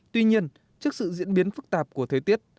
tuy nhiên trước sự diễn biến phức tạp của thế tiết